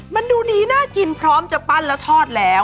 มันดูดีน่ากินพร้อมจะปั้นแล้วทอดแล้ว